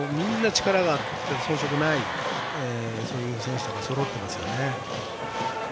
みんな力があって遜色ないそういう選手がそろっていますね。